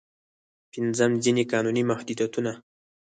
پنځم: ځينې قانوني محدودیتونه.